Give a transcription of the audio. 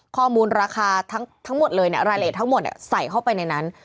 ข้อมูลราคาทั้งหมดเลยรายละเอียดทั้งหมดใส่เข้าไปในนั้น